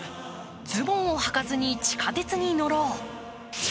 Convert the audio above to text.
ズボンをはかずに地下鉄に乗ろう。